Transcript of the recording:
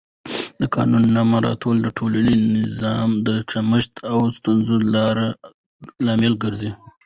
د قانون نه مراعت د ټولنیز نظم د کمښت او ستونزو لامل ګرځي